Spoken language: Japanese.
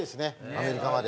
アメリカまで。